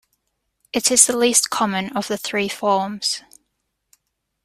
It is the least common of the three forms.